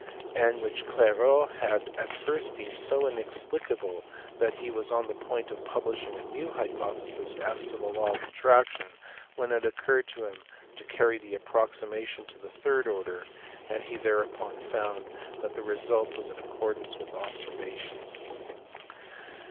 339), and which Clairaut had at first deemed so inexplicable that he was on the point of publishing a new hypothesis as to the law of attraction when it occurred to him to carry the approximation to the third order, and he thereupon found that the result was in accordance with the observations.